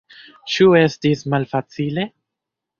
Ĉu estis malfacile?